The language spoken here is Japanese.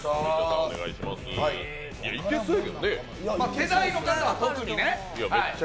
世代の方、特にね。